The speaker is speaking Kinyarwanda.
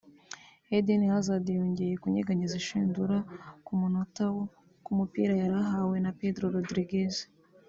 Edena Hazard yongeye kunyeganyeza ishundura ku munota wa ' ku mupira yari ahawe na Pedro Rodriguez